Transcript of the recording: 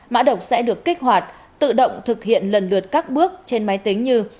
mã độc sẽ được kích hoạt tự động thực hiện lần lượt các bước trên máy tính như